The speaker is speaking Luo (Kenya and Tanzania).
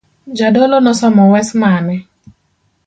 Jadolo nosomo wes mane.